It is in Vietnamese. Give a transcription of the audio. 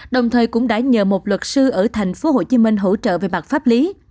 đồng thời cũng đã nhờ một luật sư ở thành phố hồ chí minh hỗ trợ về mặt pháp lý